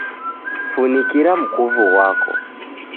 Funikira mkuvu ghwako.